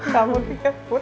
kamu tuh ya put